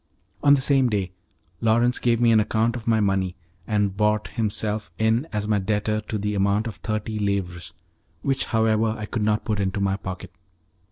On the same day Lawrence gave me an account of my money, and brought himself in as my debtor to the amount of thirty livres, which however, I could not put into my pocket.